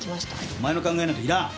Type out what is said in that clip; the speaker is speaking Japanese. お前の考えなんかいらん！